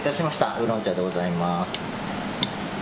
ウーロン茶でございます。